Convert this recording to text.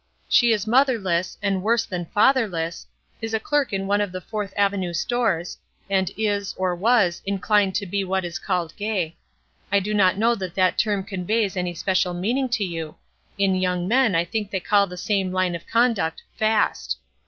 She is motherless, and worse than fatherless; is a clerk in one of the Fourth Avenue stores, and is, or was, inclined to be what is called gay. I do not know that that term conveys any special meaning to you; in young men I think they call the same line of conduct 'fast.'